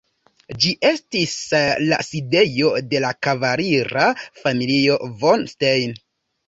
Ĝi estis la sidejo de la kavalira familio von Stein.